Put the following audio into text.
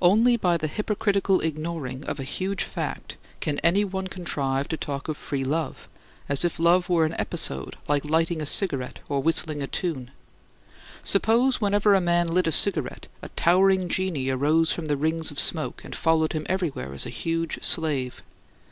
Only by the hypocritical ignoring of a huge fact can any one contrive to talk of "free love"; as if love were an episode like lighting a cigarette, or whistling a tune. Suppose whenever a man lit a cigarette, a towering genie arose from the rings of smoke and followed him everywhere as a huge slave.